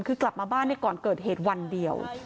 คือกลับมาบ้านในก่อนเกิดเหตุวันเดียว